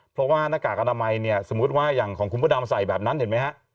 เพราะว่าหน้ากากอนามัยเนี่ยสมมุติว่าอย่างของคุณพระดำใส่แบบนั้นเห็นไหมฮะ